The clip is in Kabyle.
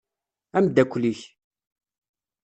Amdakel-ik.